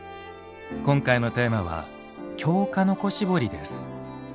今回のテーマは「京鹿の子絞り」です。